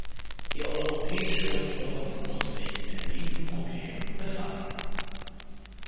Die Europäische Union muss sich mit diesem Problem befassen.